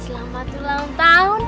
selamat ulang tahun ya